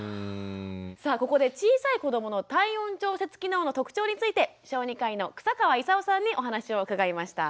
さあここで小さい子どもの体温調節機能の特徴について小児科医の草川功さんにお話を伺いました。